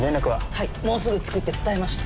はいもうすぐ着くって伝えました。